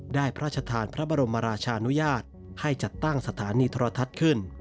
พระชธานพระบรมราชานุญาตให้จัดตั้งสถานีโทรทัศน์ขึ้น